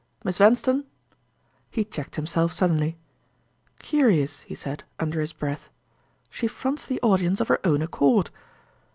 Miss Vanstone—" he checked himself suddenly. "Curious," he said, under his breath—"she fronts the audience of her own accord!"